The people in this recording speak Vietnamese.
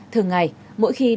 thường ngày mỗi khi đến